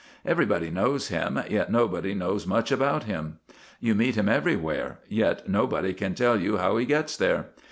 Everybody knows him, yet nobody knows much about him. You meet him everywhere, yet nobody can tell you how he gets there.